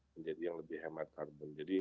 menjadi yang lebih hemat karbon jadi